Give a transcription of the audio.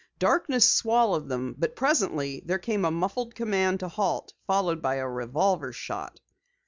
Darkness swallowed them, but presently there came a muffled command to halt, followed by a revolver shot.